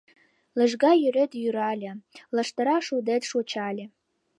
Лыжга йӱрет йӱрале, Лаштыра шудет шочале.